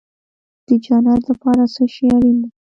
د جنت لپاره څه شی اړین دی؟